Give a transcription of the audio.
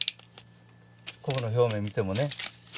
昆布の表面見てもね。